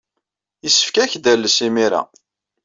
Yessefk ad ak-d-tales imir-a.